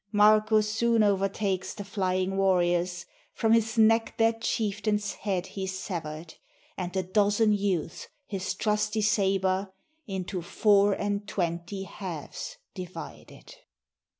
Marko soon o'ertakes the flying warriors, From his neck their chieftain's head he sever'd; And the dozen youths his trusty saber Into four and twenty halves divided.